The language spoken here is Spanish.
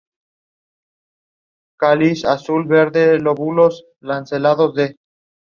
Las intenciones de los británicos llegaron a oídos de Bonaparte.